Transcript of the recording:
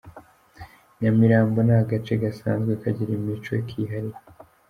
Nyamirambo ni agace gasanzwe kagira imico kihariye.